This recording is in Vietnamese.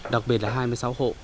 đặc biệt là hai mươi sáu hộ